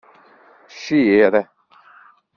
Cir.